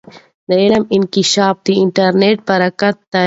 د علم انکشاف د انټرنیټ برکت دی.